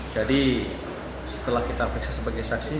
jadi setelah kita periksa sebagai saksi